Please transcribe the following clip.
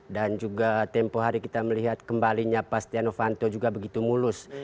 dan juga tempoh hari kita melihat kembalinya pak setia novanto juga begitu mulus